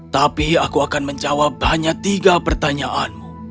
tapi aku akan menjawab banyak tiga pertanyaanmu